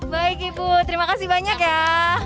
baik ibu terima kasih banyak ya